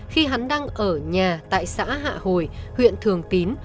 khi hắn đang ở nhà tại xã hạ hồi huyện thường tín